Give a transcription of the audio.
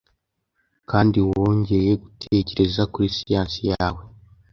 Kandi wongeye gutekereza kuri siyansi yawe